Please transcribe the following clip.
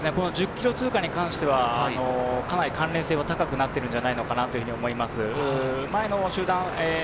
１０ｋｍ通過に関してはかなり関連性は高くなっているんじゃないかなと思います。